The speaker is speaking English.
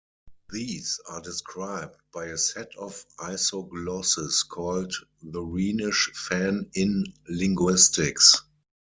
These are described by a set of isoglosses called the Rhenish fan in linguistics.